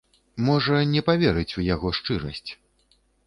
Можа, не паверыць у яго шчырасць.